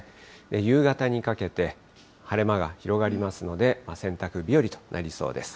夕方にかけて晴れ間が広がりますので、洗濯日和となりそうです。